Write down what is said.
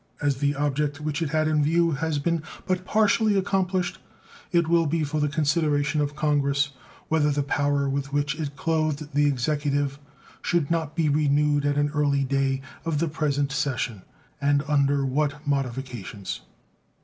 As the object which it had in view has been but partially accomplished, it will be for the consideration of Congress whether the power with which it clothed the Executive should not be renewed at an early day of the present session, and under what modifications.